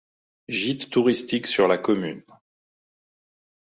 Gîtes touristiques sur la commune.